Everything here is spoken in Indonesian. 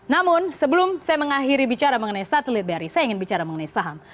namun sebelum saya mengakhiri bicara mengenai satelit bri saya ingin bicara mengenai saham